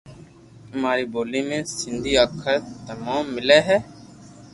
اماري ٻولي ۾ سندي اکر تموم ملي ھي